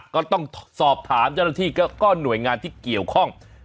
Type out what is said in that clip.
ก็ต้องสอบถามเจ้าหน้าที่ก็หน่วยงานที่เกี่ยวข้อง